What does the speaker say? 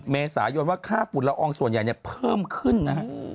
เมษายนว่าค่าฝุ่นละอองส่วนใหญ่เนี่ยเพิ่มขึ้นนะฮะ